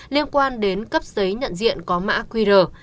liên quan đến cấp giấy nhận diện có mã qr